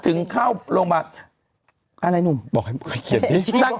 ถึงเข้าโรงพยาบาลอะไรหนุ่มบอกให้เขียนสิ